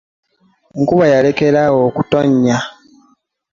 Enkuba yalekera awo okutonnya.